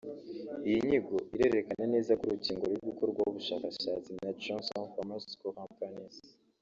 Iyi nyigo irerekana neza ko urukingo ruri gukorwaho ubushakashatsi na Janssen Pharmaceutical Companies